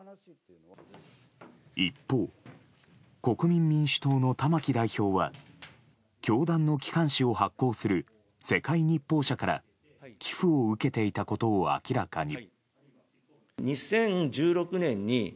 一方、国民民主党の玉木代表は教団の機関紙を発行する世界日報社から寄付を受けていたことを明らかに。